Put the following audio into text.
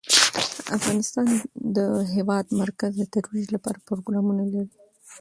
افغانستان د د هېواد مرکز د ترویج لپاره پروګرامونه لري.